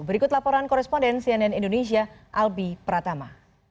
berikut laporan koresponden cnn indonesia albi pratama